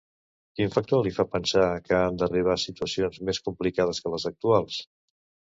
Quin factor li fa pensar que han d'arribar situacions més complicades que les actuals?